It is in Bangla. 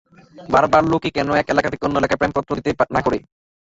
বারবার লোকে কেন এক এলাকা থেকে অন্য এলাকায় প্রেমপত্র দিতে না করে?